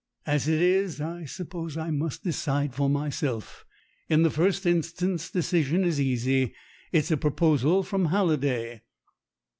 As it is, I sup pose I must decide for myself. In the first instance, decision is easy. It's a proposal from Halliday."